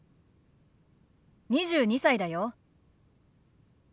２２歳だよ。ＯＫ。